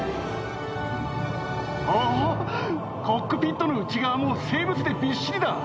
おぉコックピットの内側も生物でびっしりだ。